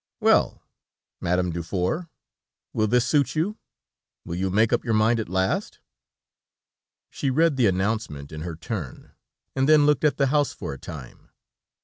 _ "Well! Madame Dufour, will this suit you? Will you make up your mind at last?" She read the announcement in her turn, and then looked at the house for a time.